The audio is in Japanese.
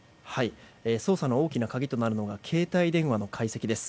捜査の大きな鍵となるのが携帯電話の解析です。